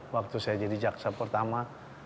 waktu saya jadi jaksa pertama